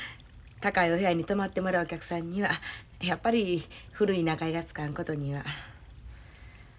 高いお部屋に泊まってもらうお客さんにはやっぱり古い仲居がつかんことには。